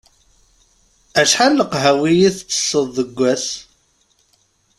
Acḥal n leqhawi i ttesseḍ deg wass?